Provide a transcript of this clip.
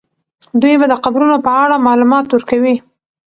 دوی به د قبرونو په اړه معلومات ورکوي.